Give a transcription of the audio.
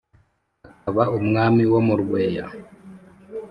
akaba umwami wo mu rweya